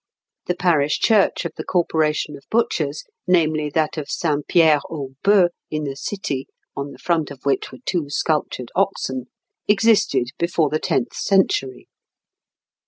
The parish church of the corporation of butchers, namely, that of St. Pierre aux Boeufs in the city, on the front of which were two sculptured oxen, existed before the tenth century.